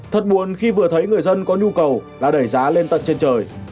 thật buồn khi vừa thấy người dân có nhu cầu đã đẩy giá lên tận trên trời